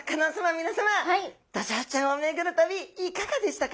皆さまドジョウちゃんを巡る旅いかがでしたか？